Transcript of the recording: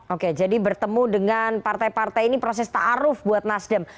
oke jadi bertemu dengan partai partai ini proses ta'aruf buat nasdem